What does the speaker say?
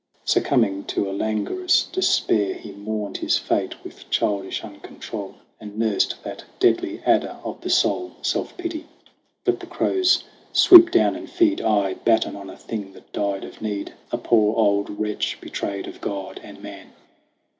Succumbing to a langorous despair, He mourned his fate with childish uncontrol And nursed that deadly adder of the soul, Self pity. Let the crows swoop down and feed, Aye, batten on a thing that died of need, A poor old wretch betrayed of God and Man